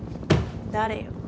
誰よ？